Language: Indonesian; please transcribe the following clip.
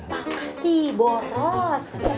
tau nggak sih boros